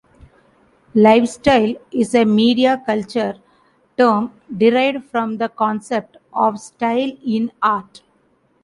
"Lifestyle" is a media culture term derived from the concept of style in art.